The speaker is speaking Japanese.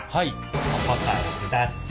お答えください。